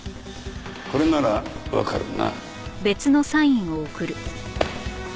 これならわかるな？